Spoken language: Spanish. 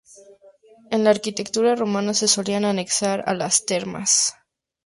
En la arquitectura romana, se solían anexar a las termas.